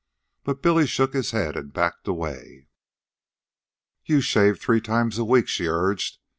But Billy shook his head and backed away. "You shave three times a week," she urged.